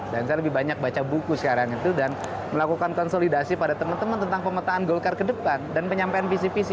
saya lebih banyak baca buku sekarang itu dan melakukan konsolidasi pada teman teman tentang pemetaan golkar ke depan dan penyampaian visi visi